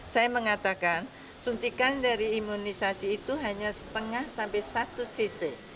saya mengatakan suntikan dari imunisasi itu hanya setengah sampai satu cc